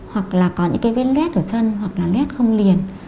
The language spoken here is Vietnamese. hoặc là có những vết lét ở chân hoặc là lét không liền